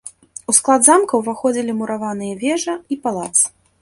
У склад замка ўваходзілі мураваныя вежа і палац.